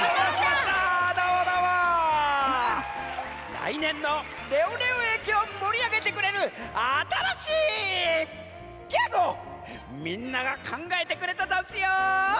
らいねんのレオレオえきをもりあげてくれるあたらしいギャグをみんながかんがえてくれたざんすよ！